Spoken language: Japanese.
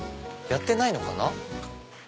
やってないのかな？